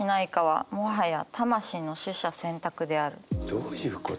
どういうこと？